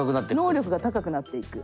能力が高くなっていく。